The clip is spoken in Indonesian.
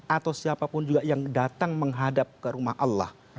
atau siapapun juga yang datang menghadap ke rumah allah